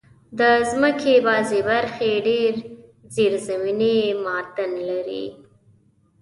د مځکې بعضي برخې ډېر زېرزمینې معادن لري.